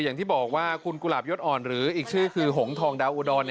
อย่างที่บอกว่าคุณกุหลาบยศอ่อนหรืออีกชื่อคือหงทองดาวอุดร